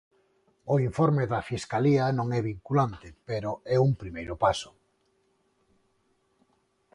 O informe da Fiscalía non é vinculante, pero é un primeiro paso.